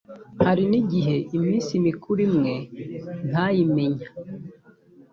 hari n’igihe iminsi mikuru imwe ntayimenya